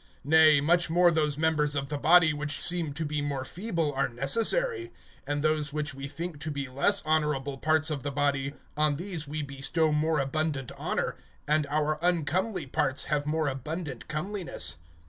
(22)Nay, much more those members of the body, which seem to be more feeble, are necessary; (23)and those which we think to be less honorable parts of the body, on these we bestow more abundant honor; and our uncomely parts have more abundant comeliness.